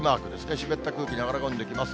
湿った空気流れ込んできます。